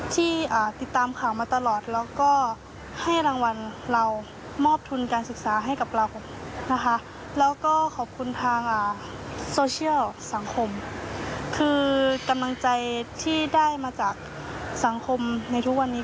ทางโซเชียลสังคมคือกำลังใจที่ได้มาจากสังคมในทุกวันนี้